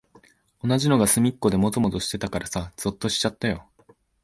同じのがすみっこでもぞもぞしてたからさ、ぞっとしちゃったよ。